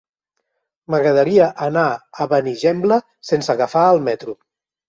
M'agradaria anar a Benigembla sense agafar el metro.